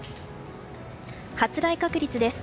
発雷確率です。